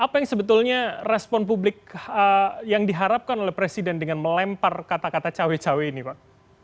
apa yang sebetulnya respon publik yang diharapkan oleh presiden dengan melempar kata kata cawe cawe ini pak